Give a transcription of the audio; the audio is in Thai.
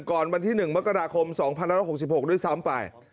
วันที่๑มกราคม๒๑๖๖ด้วยซ้ำไป